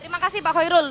terima kasih pak hoirul